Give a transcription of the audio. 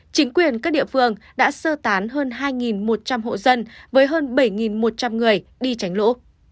chính quyền các địa phương đã sơ tán hơn hai một trăm linh hộ dân với hơn bảy một trăm linh người đi tránh lũ